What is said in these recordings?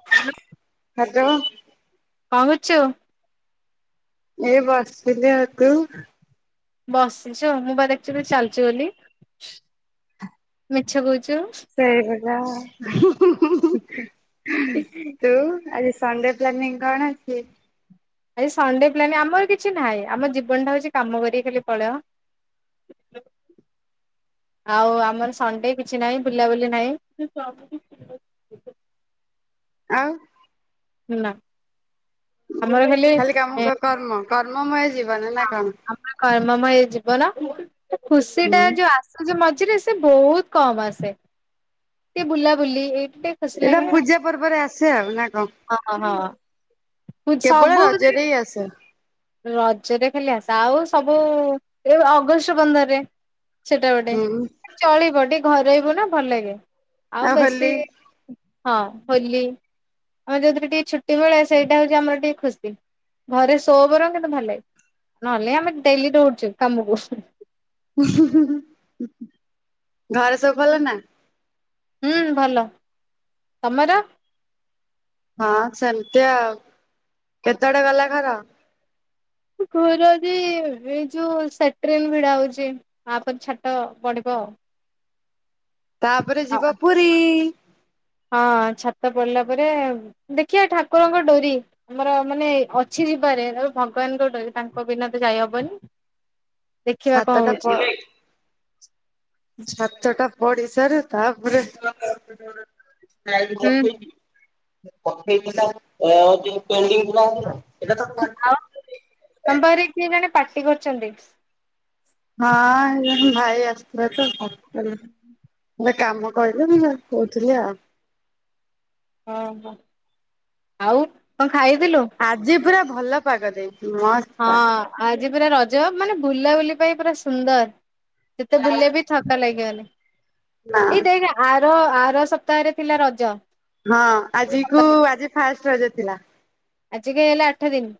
[inaudible] Hello. କଣ କରୁଚୁ? ଏଇ ବସଥିଲି, ଆଉ ତୁ? ବସିଚୁ ମୁଁ ବା [unintelligible] ଚାଲଚୁ ବୋଲି, ମିଛ କହୁଚୁ। [unintelligible] ହୁଁ-ହୁଁ-ହୁଁ। ତୁ, ଆଜି ସଣ୍ଡେ ପ୍ଲାନିଂ କଣ ଅଛି? ଆଜି ସଣ୍ଡେ ପ୍ଲାନିଂ ଆମର କିଛି ନାହିଁ, ଆମ ଜୀବନଟା ହଉଚି କାମ କରିକି ଖାଲି ପଳେଇବ। ଆଉ ଆମର ସଣ୍ଡେ କିଛି ନାହିଁ, ବୁଲାବୁଲି ନାହିଁ। ଆଉ ନା। ଖାଲି କାମ କ କର୍ମ କର୍ମମୟ ଜୀବନ ନା କଣ? ଆମର କର୍ମମୟ ଜୀବନ, ଖୁସି ହୁଁ ଟା ଯୋଉ ଆସୁଚି ମଝିରେ ସେ ବହୁତ୍ କମ୍ ଆସେ, ଟିକେ ବୁଲାବୁଲି ଏଇଠି ଟିକେ ଏଇଟା ଖୁସିଲାଗେ ପୂଜା ପର୍ବରେ ଆସେ ଆଉ ନା କଣ ଆଉ। [inaudible] କେବଳ ରଜରେ ହିଁ ଆସେ। ରଜରେ ଖାଲି ଆସ, ଆଉ ସବୁ ଏ ଅଗଷ୍ଟ ପନ୍ଦରରେ ସେଟା ଗୋଟେ ହୁଁ ଚଳିବ ଟିକେ ଘରେଇବୁ ନା ଭଲ୍ ଲାଗେ, ଆଉ ବେଶୀ ହଁ ହୋଲି, ଆମେ ଯୋଉଥିରେ ଟିକେ ଛୁଟି ମିଳେ ସେଇଟା ହଉଚି ଆମର ଟିକେ ଖୁସି। ଘରେ ସୋ ବରଂ କେ କିନ୍ତୁ ଭଲ ଲାଗେ, ନହେଲେ ଆମେ ଡେଲି ଦୌଡୁଚୁ କାମୁକୁ। ଉହୁଁ-ହୁଁ-ହୁଁ, ଘରେ ସବୁ ଭଲ ନା? ହୁଁ ଭଲ, ତମର? ହଁ ସେମ୍ତି ଆଉ, କେତେ ବାଟ ଗଲା ଘର? ଘର ଯେ ଏ ଯୋଉ ସେଟ୍ରେନ୍ ଭିଡା ହଉଛି। ଆ ପରେ ଛାଟ ପଢିବ। ତାପରେ ଯିବା ଆଉ। ପୁ ହଁ ଛାତ ପଡିଲା ପରେ ଦେଖିବା ଠାକୁରଙ୍କ ଡୋରି। ଆମର ମାନେ ଅଛି ଯିବାରେ ଆ ଭଗବାନ ଡୋରି ତାଙ୍କ ବିନା ତ ଯାଇହବନି। ସାତଟା ପରେ ଛାତ ଟା ପଡିସରୁ ତାପରେ [unintelligible] ହୁଁ ପକେଇଥିଲା ଓଁ ପେଣ୍ଡିଙ୍ଗ ଥିଲା। ଆଉ ତମ ପାଖରେ କିଏ ଜଣେ ପାଟି କରୁଛନ୍ତି? ହଁ ଏ ଭାଇ ଆସିଥିଲେ ତ [unintelligible] କାମ କହିଲନି କହୁଥିଲି ଆଉ। ଓହୋ ଆଉ କଣ ଖାଇଥିଲୁ? ଆଜି ପୁରା ଭଲ ପାଗ ଦେଇଛି ମ ହଁ ଆ ଆଜି ପୁରା ରଜ ବା ମାନେ ବୁଲାବୁଲି ପାଇଁ ପୁରା ସୁନ୍ଦର। ଯେତେ ବୁଲିଲେବି ଥକା ଲାଗିବନି। ଏଇ ନା ଦେଖେ ଆର ଆର ସପ୍ତାହରେ ଥିଲା ରଜ? ହଁ ଆଜି କୁ ଆଜି ଫାଷ୍ଟ ରଜ ଥିଲା। ଆଜି କି ହେଲା ଆଠ ଦିନି।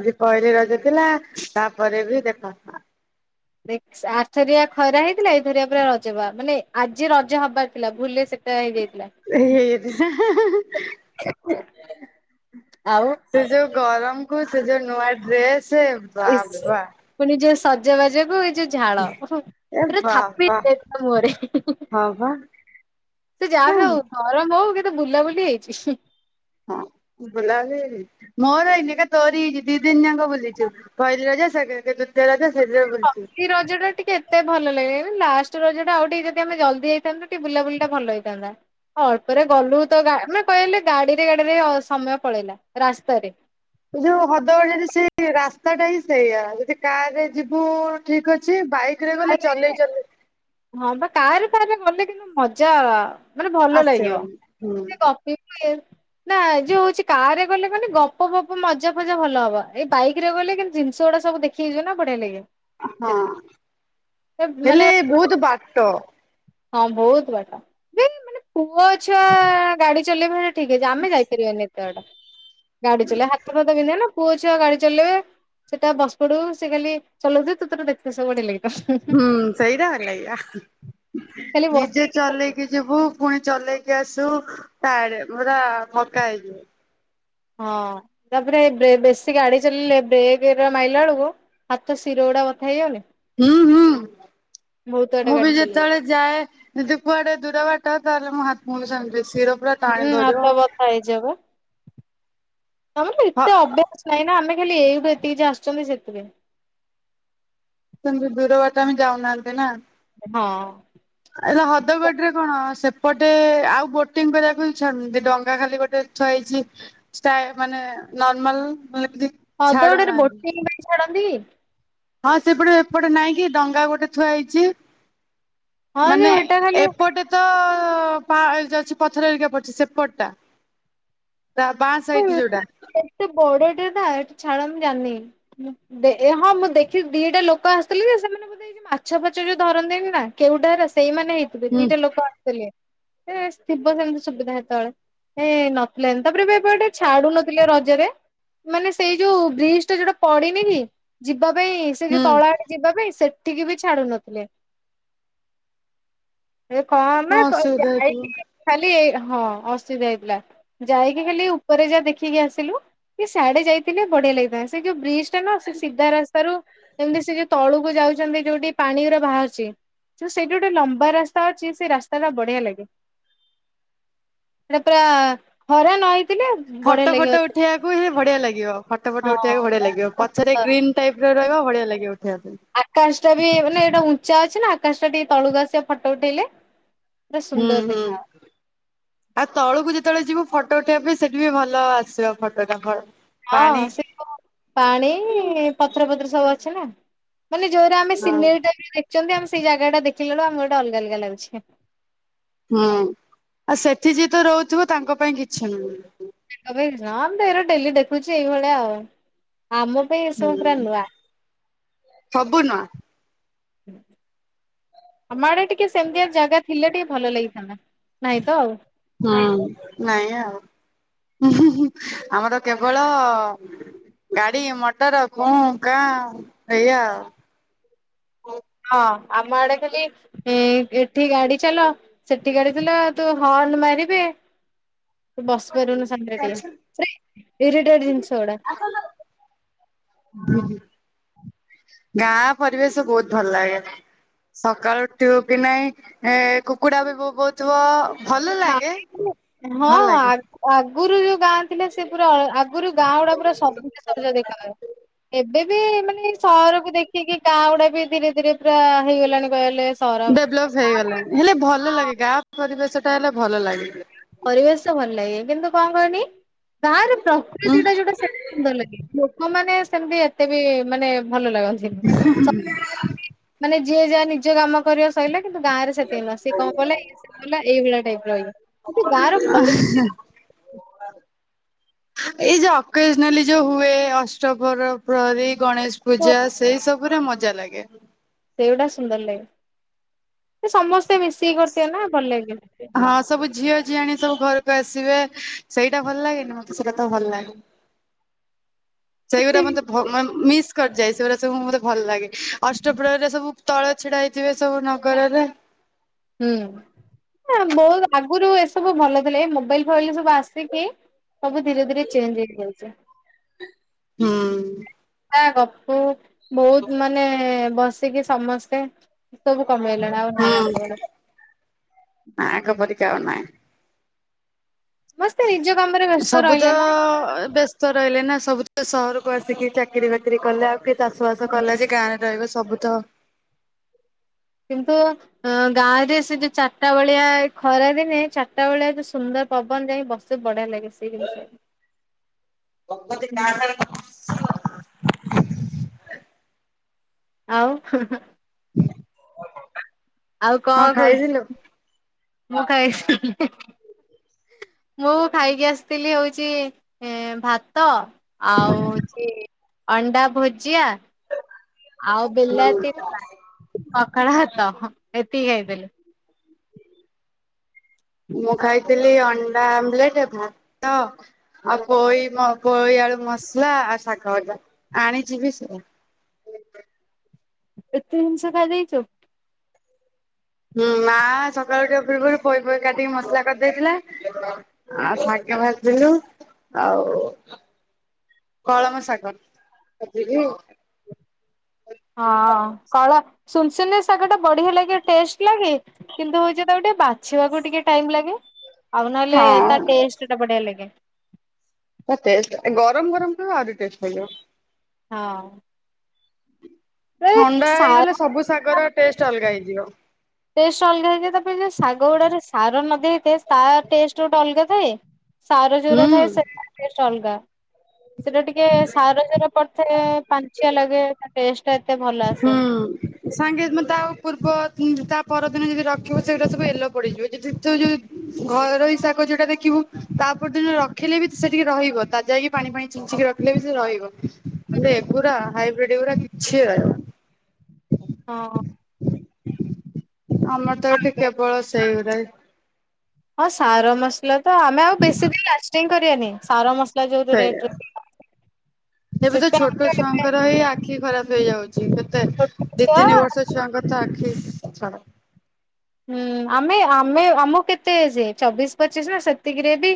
ଆଜି ପହିଲି ରଜ ଥିଲା ତାପରେ ବି ଦେଖ ଦେ ଆଥରିଆ ଖରା ହେଇଥିଲା ଏଇଥରିଆ ପରେ ରଜ ବା ମାନେ ଆଜି ରଜ ହବାର ଥିଲା ଭୁଲ ସେ ହେଇଯାଇଥିଲା ଏଇ ହେଇଯାଇଥିଲା। ଆଉ ସେ ଯୋଉ ଗରମ କୁ ସେ ଯୋଉ ନୂଆ ଡ୍ରେସ ଇସ ବାବା ପୁଣି ଯୋଉଁ ସଜବାଜ କୁ ଯଉ ଝାଳ ଏ ପୁରା ଥାପ ବାବା ମୁହରେ ହଁ ବା ସେ ଯାହା ବି ଆଉ ହଁ। ଗରମ ହଉ କେତେ ବୁଲାବୁଲି ହେଇଛି? ହଁ ବୁଲା ବୁଲି ହେଇଯାଇଛି। ମୋର ଏଇନି ଏକା ତୋରି ହେଇଛି ଦି ଦିନ ଯାକ ବୁଲିଛୁ ପହିଲି ରଜ ସେ ସେକେଣ୍ଡ ରଜ ସେଇ ଦିନ ବୁଲିଛୁ। ସେଇ ରଜ ଟା ଟିକେ ମତେ ଭଲ ଲାଗିଲାନି ଲାଷ୍ଟ ରଜ ଟା ଆଉ ଟିକେ ଯଦି ଆମେ ଜଲଦି ଯାଇଥାନ୍ତା ଟିକେ ବୁଲାବୁଲି ଟା ଭଲ ହେଇନ୍ତା ଅଳ୍ପରେ ଗଲୁ ତ ମାନେ କହିଲେ ଗାଡିରେ ଗାଡିରେ ସମୟ ପଳେଇଲା ରାସ୍ତାରେ। ଯୋଉ ହଦଗଡ ଯରେ ସେଇ ରାସ୍ତା ଟା ହିଁ ସେଇଆ ଯଦି କାର ରେ ଯିବୁ ଠିକ ଅଛି ବାଇକ୍ କିରେ ଗଲେ ଚଲେଇ ଚଲେଈ ହଁ ବା କାର କାରେ ରେ ଗଲେ କିନ୍ତୁ ମଜା। ମାନେ ଭଲ ଲାଗିବ ଆସିବନି ହୁଁ ଟିକେ ଗପିବୁ ଏଇ ନା ଯୋଉଁ ହଉଛି କାର ରେ ଗଲେ କେ ଗପ ଗପ ମଜା ଫଜା ଭଲ ହବ ଏଇ ବାଇକ ରେ ଗଲେ କେତି ଜିନିଷ ଗୁଡା ସବୁ ଦେଖ ଖିଜୁ ନା ପଢେଇ ଲାଗିବ। ହଁ ସେଥିପାଇଁ ହେଲେ ମାନେ ବହୁତ ବାଟ। ହଁ ବହୁତ ବାଟ ଦେନ ଏ ମାନେ ପୁଅ ଛୁଆ ଗାଡି ଚଲେଇବା ଠିକ ଅଛି ଆମେ ଯାଇପାରିବାନି ଏତେ ବାଟ ଗାଡି ଚ ହାତ ଫାତ ବିନ୍ଧେ ନା ପୁଅ ଛୁଆ ଆଉ ଗାଡି ଚଲେଇବେ ସେଟା ବସ ପଡୁ ସେ ଖାଲି ଚଲଉଛି ତତ ଦେଖେ ସବୁ ବଢି ଲାଗିଛି ହୁଁ ସେଇରା ଭଲ ଲାଗିବ ଖାଲି ନିଜେ ବସିକି ଚଲେଇବୁ ଚଲେଇକି କି ଯିବୁ ପୁଣି ଚଲେଇକି ଆଶିବୁ ତାଡେ ପୁରା ଥକା ହେଇଯିବ। ହଁ ତାପରେ ବେ ବେଶୀ ଗାଡି ଚଲେଇେ ବ୍ରେକ୍ ମାଇଲା ବେଳକୁ ହାତ ଶିରଉଡା ବଥା ହେଇ ଗଲେ। ହୁଁ ହୁଁ ବାଟ ମୁଁ ଗାଡି ବି ଚଲେଇବେ ଯେତେବେଳେ ଯାଏ ଯଦି କୁଆଡେ ଦୂର ବାଟ ତାହେଲେ ମୋ ହାତ୍ ମୁଁ ବି ସେମତି ଶୀର ହୁଁ ହାତ ବଥା ହେଇଯାଏ ବା ତମର ହଁ ଏତେ ଅଭ ଭ୍ୟାସ ନାଇଁ ନା ଆମେ ଖାଲି ଏଇଠୁ ଏତିକି ଯ ଆସୁଚନ୍ତି ସେଥିପାଇଁ। ସେମତି ଦୂର ବାଟ ଆମେ ଯାଉ ନାହାନ୍ତି ନା। ହଁ। ଏଲା ହଦଗଡ ରେ କଣ ସେପଟେ ଆଉ ବୋଟିଂ କରିବାକୁ ବି ଛନ୍ତି ଡଙ୍ଗା ଖାଲି ଗୋଟେ ଯଇଚି ଷ୍ଟା ଏ ମାନେ ନର୍ମାଲ [inaudible] ହଦଗଡରେ ଛାଡୁନାହାନ୍ତି ବୋଟିଂ ପାଇଁ ଛାଡନ୍ତି? ହଁ ସେପଟେ ଏପଟେ ନାଇଁ କି ଡଙ୍ଗା ଗୋଟେ ଥୁଆ ହେଇଚି। ହଁ ଯେ ମାନେ ହେଟା ଖାଲି ଏପଟେ ତ ପା ହେଇ ଯାଅଛି ପଥର ହେରିକା ପଡିଛି ସେପଟ ଟା? ତା ବାଆଁ ସାଇଟ୍ ଯୋଉଟା। ଏତେ ବଡଟେ ନା ଏ ଛାଡ ମୁ ଜାଣିନି। ଦେ ଏ ହଁ ମୁଁ ଦେଖି ଦିଟା ଲୋକ ଆସିଥିଲେ ଯେ ସେମାନେ ବୋଧେ ମାଛ ଫଛ ଯୋଉ ଧରନ୍ତିନି ନା କେଉଟା ହେରା ସେଇମାନେ ହେଇଥିବେ ହୁଁ ଦିଇଟା ଲୋକ ଥିଲେ ସେ ଥିବ ସେମିତି ସୁବିଧା ହେତେବେଳେ ଏ ନଥିଲେ ଏ ତାପରେ ଏବେ ଗୋଟେ ଛାଡୁ ନଥିଲେ ରଜରେ। ମାନେ ସେଇ ଯୋଉ ବ୍ରିଜ ଟା ଯୋଉଟା ପଡିନି କି ଯିବା ପାଇଁ ସେ ଯଉ ହୁଁ ତଳେ ଆଡ଼େ ଯିବା ପାଇଁ ସେଠିକି ବି ଛାଡୁ ନଥିଲେ। ଏ କଣ ନା କ ଅସୁବିଧା ହେଇଥିବ ଯାଇକି ଖାଲି ଏ ହଁ ଅସୁଧା ହେଇଥିଲା ଯାଇକି ଖାଲି ଉ ଉପରେ ଯା ଦେଖିକି ଆସିଲୁ କି ସ୍ୟାଡେ ଯାଇଥିଲେ ବଢିଆ ଲାଗିଥାଏ ସେ ଯୋଉ ବ୍ରିଜ ଟା ନା ସେ ସିଧା ରାସ୍ତାରୁ ଏମିତି ସେ ଯୋଉ ତଳୁକୁ ଯାଉଛନ୍ତି ଯୋଉଠି ପାଣିଉରା ବାହାରୁଚି। ତ ସେଇଠି ଗୋଟେ ଲମ୍ବା ରାସ୍ତା ଅଛି ସେ ରାସ୍ତା ଟା ବଢିଆ ଲାଗେ। ସେଟା ପୁରା ହରା ନ ହେଇଥିଲେ ବଢିଆ ଫଟୋ ଲାଗିବ। ଫଟ ଯିବାକୁ। ଉଠେଇବାକୁ ହି ବଢିଆ ଲାଗିବ ଫଟୋ ହଁ। ଫଟୋ ଉଠେଇବାକୁ ବଢିଆ ଲାଗିବ। ପା ପଛରେ ସୁନ୍ଦର। ଗ୍ରୀନ୍ ଟାଇପ ର ରହିବ ବଢିଆ ଲାଗିବ ଉଠେଇବା ପାଇଁ। ଆକାଶ ଟା ବି ମାନେ ଏଇଟା ଉଁଚା ଅଛି ନା ଆକାଶ ଟା ଟିକେ ତଳୁକୁ ଆସିବ ଫଟୋ ଉଠେଇଲେ। ପୁରା ହୁଁ ସୁନ୍ଦର ହୁଁ। ଦେଖା ଆ ତଳକୁ ଯେତେବେଳେ ଯିବୁ ଫଟୋ ଉଠେଇବା ପାଇଁ ସେଠି ବି ଭଲ ଆସିବ ଫଟୋଟାଙ୍କର ହଁ ସେ ଯୋଉ ପାଣି ପଥର ଫଥର ସବୁ ଅଛି ନା? ମାନେ ଯଉରା ଆମ ହଁ ସିନେର ଟା ବି ଦେଖୁଚନ୍ତି ଆମେ ସେଇ ଜାଗା ଟା ଦେଖିଲାଳୁ ଆମୁ ଗଟେ ଅଲଗା ଅଲଗା ଲାଗୁଛି। ହୁଁ ଆଉ ସେଠି ଯିଏ ତ ରହୁଥିବ ତାଙ୍କ ପାଇଁ କିଛି ନୁହଁ। ତାଙ୍କ ପାଇଁ ନାଁ ମୁଁ ତ ଏରା ଡେଲି ଦେଖୁଛି ଏଇଭଳିଆ ଆଉ ଆମ ପାଇଁ ଏ ସବୁ ପୁରା ହୁଁ ନୂଆ। ସବୁ ନୂଆ [inaudible] ଆମଡେ ଟିକେ ସେମିତିଆ ଜାଗା ଥିଲେ ଟିକେ ଭଲ ଲାଗିଥାନ୍ତା। ନାଇଁ ତ ଆଉ। ହୁଁ ନାଇଁ ଆଉ [inaudible] ଆମର କେବଳ ଗାଡି ମଟର କୁଁ କାଂ ଏଇଆା ଆଉ। ହଁ ଆମ ଆଡେ ଖାଲି ହୁଁ ଏଠି ଗାଡି ଚାଲ ସେଠି ଗାଡି ଦେଲ ତୁ ହର୍ଣ ମାରିବେ ତୁ ବସି ପାରିବୁନ ସାନ୍ତିରେ ଟିକେ ରେ ଏରିଟେଡ ଜିନିଷ ଗୁଡା। [inaudible] ଉଁ ହୁଁ ଗାଁ ପରିବେଶ ବହୁତ ଭଲ ଲାଗେ। ସକାଳୁ ଉଠିବ କି ନହିଁ ଏ କୁକୁଡା ବି ବୋବଉ ତ ଭଲ ହଁ ଲାଗେ ହଁ ଭଲ ଲାଗେ। ଆଗ ଆଗରୁ ଯୋଉ ଗାଁ ଥିଲା ସେ ପୁରା ଆଲ ଆଗରୁ ଗାଁ ଗୁଡା ପୁରା ସବୁଜ ସବୁଜ ଦେଖାଏ। ଏବେ ବି ମାନେ ସହରକୁ ଦେଖିକି ଗାଁ ଗୁଡା ବି ଧୀରେ ଧୀରେ ପୁରା ହେଇଗଲାଣି କହିଲେ ସହର ଡେଭଲପ ହେଇଗଲା ହେଲେ ଭଲ ଲାଗେ ଗାଁ ପରିବେଶ ଟା ହେଲେ ଭଲ ଲାଗେ। ପରିବେଶ ଭଲ ଲାଗେ କିନ୍ତୁ କଣ କନି ଗାଁରେ ହୁଁ ପ୍ରକୃତି ଟା ଯୋଉଟା ସେଇଟା ସୁନ୍ଦର ଲାଗେ। ମଁ ମାନେ ସେମିତି ଏତେ ବି ମାନେ ଭଲ ଲାଗନ୍ତି, ସ ମାନେ ଯିଏ ଯାହା ନିଜ କାମ କରି ସଇିଲା କିନ୍ତୁ ଗାଁରେ ସେତିକ କଣ ଗଲେ ବଲା ଏଇ ଭଳିଆ ଟାଇପ ର ହେଈଥାଏ। ଏଇ ଯୋଉ ଅକେଜନାଲି ଯୋଉ ହୁଏ ଅଷ୍ଟପର ପ୍ରହରୀ ଗଣେଶ ପୂଜା ସେଇ ସବୁରେ ମଜା ଲାଗେ। ସେଇଗୋଟା ସୁନ୍ଦର ଲାଗେ ସମସ୍ତେ ମିଶିକି କରିଥିବେ ନା ଭଲ ଲାଗିବ। ହଁ ସବୁ ଝିଅ ଜି ଆଣି ସବୁ ଘରକୁ ଆସିବେ ସେଇଟା ଭଲ ଲାଗେ ମତେ ସେ କଥା ଭଲ ଲାଗେ। ସେଇଗୁରା ମତେ ଭ ମା ମିସ୍ କରିଯାଏ ସେଗୁଡା ସବୁ ମତେ ଭଲ ଲାଗେ ଅଷ୍ଟପହରିରେ ସବୁ ତଳେ ଛିଡା ହେଇଥିବେ ସବୁ ନଗରରେ। ହୁଁ ବହୁତ ଆଗରୁ ଏସବୁ ଭଲଥିଲେ ମୋବାଇଲ ଫବଲ ସବୁ ଆସିକି ମୁଁ ବି ଧୀରେ ଧୀରେ ଚେଞ୍ଜ ହେଇଚି। ହୁଁ। ଗପୁ ବହୁତ ମାନେ ବସିକି ସମସ୍ତେ ସବୁ କମେ଼ଇ ଆ [unintelligible] ମା ଙ୍କ ପରିକା ଅନାଏ ମସ୍ତେ ନିଜ କାମରେ ବ୍ଯ ସବୁ ତ ବେ ରହିଲେ ନା ସବୁ ସହରକୁ ଆସିକି ଚାକିରି ବାକିରି କଲେ ଆଉ କିଏ ଚାଷ ବାସ କଲା ଯେ ଗାଁରେ ରହିବେ ସବୁ ତ କିନ୍ତୁ ଅ ଗାଁ ରେ ସେ ଯୋଉ ଚାରିଟା ବେଳିଆ ଖରା ରେ ଚାରିଟା ବେଳିଆ ଯୋଉ ସୁନ୍ଦର ପବନ ହୁଏ ବାସ୍ ସେ ବଢିଆ ଲାଗେ ସେ କିିନିଷ [unintelligible] [unintelligible] ଆଉ [unintelligible] [inaudible] ଆଉ କଣ କହୁଛୁ ମୁଁ ଖାଇ ସାରି ଲିନି? ମୁଁ ଖାଇକି ଆସିଥିଲି ହଉଛି ଭାତ। ଆଉ ଅଣ୍ଡା ଭୁଜିଆ। ଆଉ ବିଲାତି ଛଣା ପଖାଳ ଭାତ ଏତିକି ଖାଇଥିଲି। ମୁଁ ଖାଇଥିଲି ଅଣ୍ଡା ଆମଲେଟ ଭାତ। ଆଉ ପୋଇ ମ ପୋଇ ଆଳୁ ମସଲା ଆଉ ଶାାଗ ଭଜା ଆଣିଯିବି ସେଇଆ। ଏତେ ଜିନିଷ ଖାଇଦେଇଛୁ? ହୁଁ ମା ସକାଳୁ ଟିକେ ଉଠିବା ପୂର୍ବରୁ ପୋଇ ଫୋଇ କାଟିକି ମସଲା କରିଦେଇଥିଲା। ଆଉ ସାଙ୍କ ଭ [unintelligible] ବୁଝିଲୁ ଆଉ କଳମ ଶାଗ ଭାଜିଲି [unintelligible] ହଁ କଳ ସୁନସନି ଶାଗ ଟା ବଢିଆ ଲାଗେ ଟେଷ୍ଟ ଲାଗେ। କିନ୍ତୁ ହଉଛି ତାକୁ ଟିକେ ବାଛିବାକୁ ଟିକେ ଟାଇମ ଲାଗେ। ଆଉନହେଲେ ତା ଟେଷ୍ଟ୍ ଟା ବଢ଼ିଆ ଲାଗେ। ତା ଟେଷ୍ଟ୍ ଗରମ୍ ଗରମ୍ ଥିବ ଆହୁରି ଟେଷ୍ଟ୍ ଲାଗିବ। ହଁ। ଥଣ୍ଡା ସାର ହେଇଗଲେ ସବୁ ଶାଗର ଟେଷ୍ଟ ଅଲ୍ଗା ହେଇଯିବ। ଟେଷ୍ଟ ଅଲଗା ହେଇଯାଏ ତାପରେ ଯୋଉ ଶାଗ ଗୁଡ଼ାରେ ସାର ନଦେଇଥାଏ ତା ଟେଷ୍ଟ ଗୋଟେ ଅଲଗା ଥାଏ ସାର ଜୋଉରା ଥାଏ ହୁଁ। ସେରା ଟେଷ୍ଟ୍ ଅଲ୍ଗା। ସେଟା ଟିକେ ସାର ସାର ପଡିଥାଏ ପାଞ୍ଚିଆ ଲାଗେ ତା ଟେଷ୍ଟ୍ ଟା ଏତେ ଭଲ ହୁଁ। ଆସେନି। ସାଙ୍ଗେ ତା ପୂର୍ବ ତା ପରଦିନ ଯଦି ରଖିବ ସେଉଡା ସବୁ ଏଲୋ ପଡିଯିବ ଯଦି ତୁ ଯୋଉ ଘରେ ରହି ଶାଗ ଯୋଉଟା ଦେଖିବୁ ତା ପରଦିନ ରଖିଲେ ବି ସେଟିକେ ରହିବ ତାଜା ହେଇକି ପାଣି ଫାଣୀ ଛିଞ୍ଚିକି ର ହେଲେ ବି ସେ ରହିବ ହେଲେ ଏଗୁରା ହାଇବ୍ରିଡଗୁରା କିଛି ରହିବ ହଁ। ଆମର ତ ଏଠି ଆମେ କେବଳ ସେଇଗୁରା ହିଁ। ହଁ ସାର ମସ୍ଲା ତ ଆମେ ଆଉ ବେଶୀ ଦିନ୍ ଲାଷ୍ଟିଙ୍ଗ୍ କରିବାନି ସାର ମସ୍ ସେଇଆ ଏବେ ତ ସେଥିପାଇଁ ଛୋଟ ଆମର ଏବେ ଛୁଆଙ୍କର ହେଇ ଆ ଆଖି ଖରାପ ହେଇଯାଉଛି କେତେ ଛୋଟ ଦି ଛୁଆ ତିନି ବର୍ଷ ଛୁଆଙ୍କର ତ ଆଖି ଛାଡ। ହୁଁ ଆମେ ଆମେ ଆମକୁ କେତେ ଏଜ୍ ଚବିଶ୍ ପଚିଶ୍ ନା ସେତିକିରେ ବି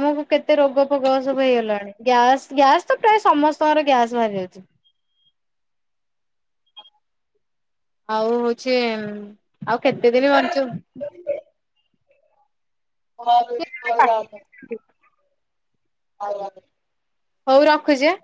ଆମକୁ କେତେ ରୋଗ ବୟସ ବି ହେଇଗଲାଣି ଗ୍ୟାସ୍ ଗ୍ୟାସ୍ ତ ପ୍ରାୟ ସମସ୍ତଙ୍କର ଗ୍ୟାସ୍ ବାହାରି ଯାଉଛି। ଆଉ ହୋଉଛି ଆଉ କେତେ ଦିନ ବଣିବୁ। ଁ [inaudible] ହଁ ଯୋଉ ରଖ। ଆଉ ଆ ହୋଉ ରଖୁଚି ଆଁ।